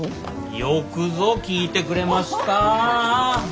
よくぞ聞いてくれました！